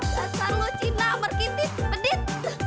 kasar lo cinta merkitit pedit